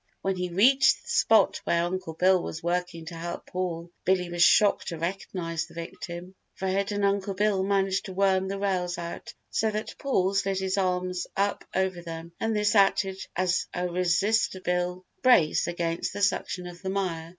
When he reached the spot where Uncle Bill was working to help Paul, Billy was shocked to recognise the victim. Fred and Uncle Bill managed to worm the rails out so that Paul slid his arms up over them and this acted as a resistible brace against the suction of the mire.